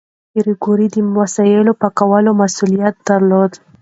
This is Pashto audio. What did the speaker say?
پېیر کوري د وسایلو د پاکوالي مسؤلیت درلود.